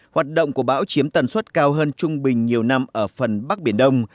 hoạt động của bão chiếm tần suất cao hơn trung bình nhiều năm ở phần bắc biển đông